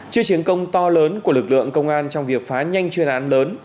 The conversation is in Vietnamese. trước chiến công to lớn của lực lượng công an trong việc phá nhanh chuyên án lớn